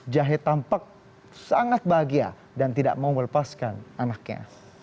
jahe tampak sangat bahagia dan tidak mau melepaskan anaknya